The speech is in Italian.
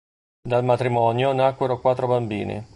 Dal matrimonio nacquero quattro bambini.